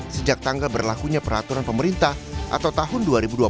sejak tanggal berlakunya peraturan pemerintah atau tahun dua ribu dua puluh